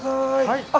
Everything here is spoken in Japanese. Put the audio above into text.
はい。